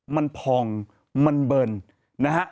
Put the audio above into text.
มันพองมันเบิร์นนะฮะ